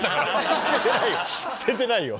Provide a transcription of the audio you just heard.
捨ててないよ。